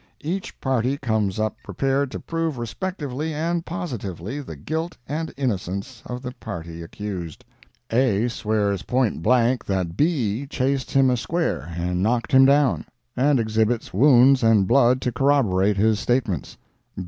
Each party comes up prepared to prove respectively and positively the guilt and innocence of the party accused. A swears point blank that B chased him a square and knocked him down, and exhibits wounds and blood to corroborate his statements.